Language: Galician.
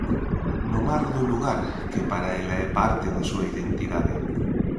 No mar do Lugar que para ela é parte da súa identidade.